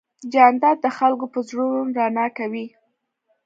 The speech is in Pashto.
جانداد د خلکو په زړونو رڼا کوي.